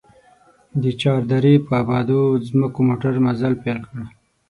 د چار درې په ابادو ځمکو موټر مزل پيل کړ.